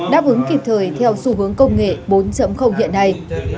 đáp ứng kịp thời theo xu hướng công nghệ bốn hiện nay